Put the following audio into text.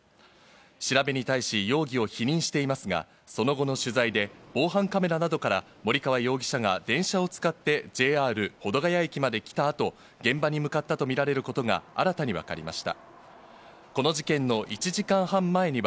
調べに対し、容疑を否認していますが、その後の取材で防犯カメラなどから森川容疑者が電車を使って、ＪＲ保土ケ谷駅まで来た後、現場に向かったとみられることが新たに分かりました。